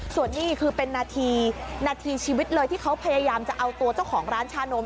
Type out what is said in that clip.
ส่วนนี้คือเป็นนาทีนาทีชีวิตเลยที่เขาพยายามจะเอาตัวเจ้าของร้านชานม